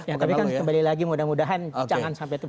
ya tapi kan kembali lagi mudah mudahan jangan sampai terjadi